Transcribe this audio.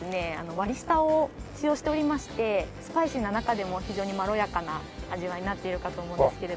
割り下を使用しておりましてスパイシーな中でも非常にまろやかな味わいになっているかと思うんですけれども。